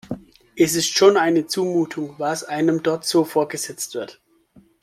Es ist schon eine Zumutung, was einem dort so vorgesetzt wird.